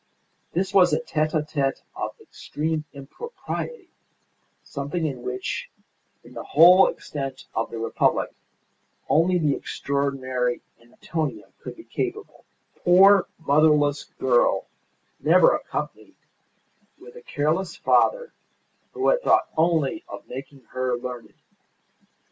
This was a tete a tete of extreme impropriety; something of which in the whole extent of the Republic only the extraordinary Antonia could be capable the poor, motherless girl, never accompanied, with a careless father, who had thought only of making her learned.